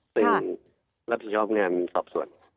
ซึ่งรับผิดชอบงานสอบส่วน